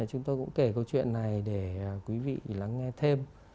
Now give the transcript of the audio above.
chúng tôi cũng kể câu chuyện này để quý vị lắng nghe thêm